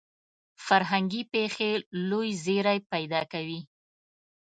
فرهنګي پېښې لوی زیری پیدا کوي.